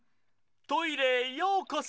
トイレへようこそ！